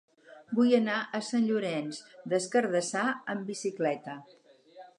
Vull anar a Sant Llorenç des Cardassar amb bicicleta.